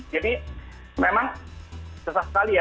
jadi memang susah sekali ya